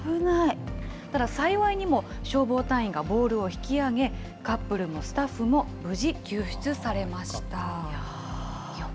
ただ、幸いにも消防隊員がボールを引き上げ、カップルもスタッフも無事救出されました。